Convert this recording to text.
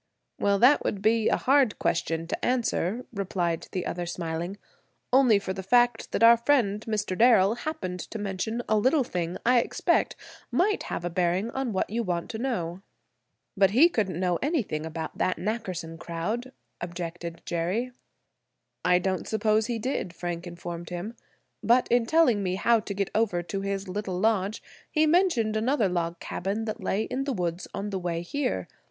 "Well, that would be a hard question to answer," replied the other, smiling, "only for the fact that our friend, Mr. Darrel, happened to mention a little thing I expect might have a bearing on what you want to know." "But he couldn't know anything about that Nackerson crowd?" objected Jerry. "I don't suppose he did," Frank informed him, "but in telling me how to get over to his little lodge he mentioned another log cabin that lay in the woods on the way here.